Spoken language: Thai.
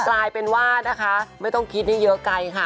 กลายเป็นว่านะคะไม่ต้องคิดให้เยอะไกลค่ะ